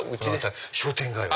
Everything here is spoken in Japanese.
商店街は。